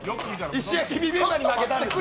石焼きビビンバに負けたんですよ。